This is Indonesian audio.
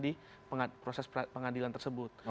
di proses pengadilan tersebut